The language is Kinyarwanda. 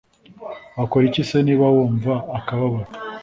wakora iki se niba wumva akababaro